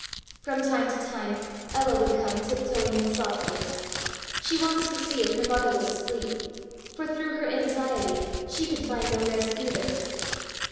From time to time Ella would come tip toeing in softly. She wanted to see if her mother was asleep, for through her anxiety she could find no rest either.